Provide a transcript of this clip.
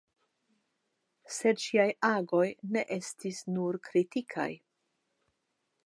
Sed ŝiaj agoj ne estis nur kritikaj.